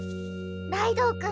ライドウ君